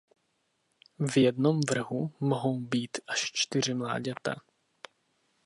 V jednom vrhu mohou být až čtyři mláďata.